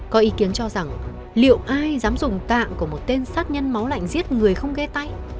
có ý kiến cho rằng liệu ai dám dùng tạng của một tên sát nhân máu lạnh giết người không ghe tay